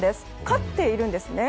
勝っているんですね。